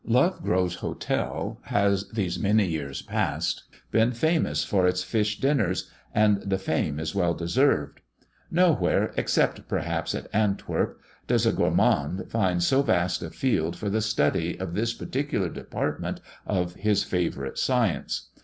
Lovegrove's Hotel has these many years past been famous for its fish dinners, and the fame is well deserved. Nowhere, except perhaps at Antwerp, does a gourmand find so vast a field for the study of this particular department of his favourite science.